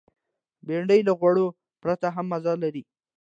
بېنډۍ له غوړو پرته هم مزه لري